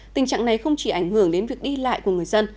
tình trạng này không chỉ ảnh hưởng đến việc đi lại của người dân